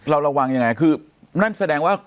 ระวังยังไงคือนั่นแสดงว่า